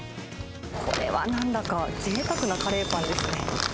これはなんだかぜいたくなカレーパンですね。